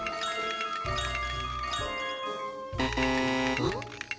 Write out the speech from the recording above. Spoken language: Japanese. あっ？